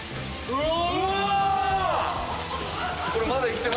うわ。